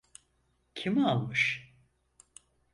Kim almış?